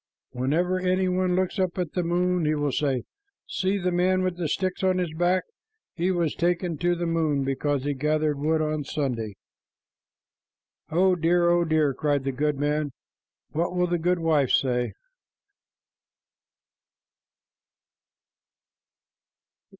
Whenever any one looks up at the moon, he will say, 'See the man with the sticks on his back. He was taken to the moon because he gathered wood on Sunday.'" "Oh dear, oh dear," cried the goodman, "what will the goodwife say?"